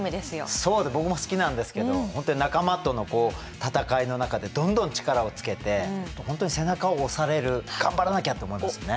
そう僕も好きなんですけど本当に仲間との戦いの中でどんどん力をつけて本当に背中を押される頑張らなきゃって思いますよね。